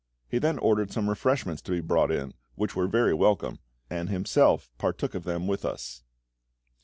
He then ordered some refreshments to be brought in, which were very welcome, and himself partook of them with us.